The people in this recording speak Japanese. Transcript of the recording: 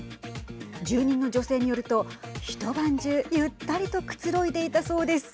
住人の女性によると一晩中ゆったりとくつろいでいたそうです。